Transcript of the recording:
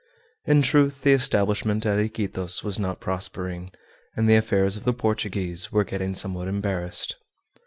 In truth, the establishment at Iquitos was not prospering, and the affairs of the Portuguese were getting somewhat embarrassed.